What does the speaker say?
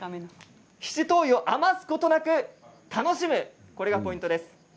七島藺を余すことなく楽しめるこれがポイントです。